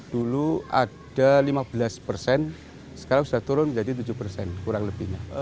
dulu ada lima belas persen sekarang sudah turun menjadi tujuh persen kurang lebihnya